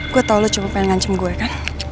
gue tau lo cuma pengen ngancem gue kan